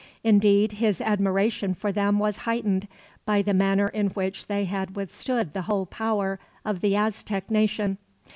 Indeed, his admiration for them was heightened, by the manner in which they had withstood the whole power of the Aztec nation.